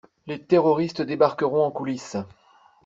Les terroristes débarqueront en coulisses.